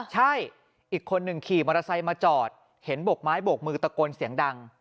ใช่อีกคนหนึ่งขี่มอเตอร์ไซค์มาจอดเห็นโบกไม้โบกมือตะโกนเสียงดัง